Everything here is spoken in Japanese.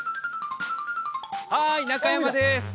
はい中山です！